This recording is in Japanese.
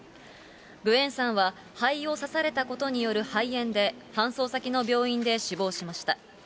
グエンさんは、肺を刺されたことによる肺炎で、搬送先の病院で死亡しました。